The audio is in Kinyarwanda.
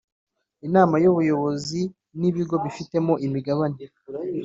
Inama y Ubuyobozi n ibigo bafitemo imigabane